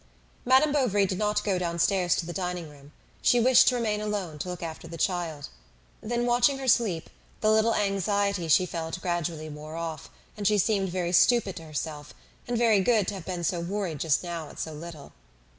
Madame Bovary did not go downstairs to the dining room; she wished to remain alone to look after the child. Then watching her sleep, the little anxiety she felt gradually wore off, and she seemed very stupid to herself, and very good to have been so worried just now at so little.